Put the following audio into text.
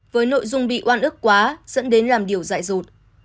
với nội dung bị oan ức quá dẫn đến làm điều dại dột